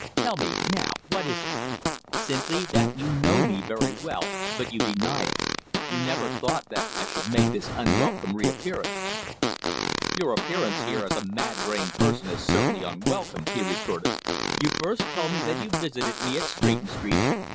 Tell me, now, what is it?" "Simply that you know me very well, but you deny it. You never thought that I should make this unwelcome reappearance." "Your appearance here as a mad brained person is certainly unwelcome," he retorted. "You first tell me that you visited me at Stretton Street.